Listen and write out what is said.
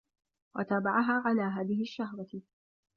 وَتَابَعَهَا عَلَى هَذِهِ الشَّهْوَةِ